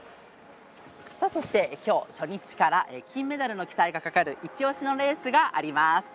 そして、きょう初日から金メダルの期待がかかる一押しのレースがあります。